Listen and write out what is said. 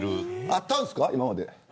あったんですか、今まで。